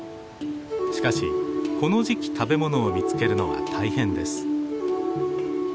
しかしこの時期食べ物を見つけるのは大変です。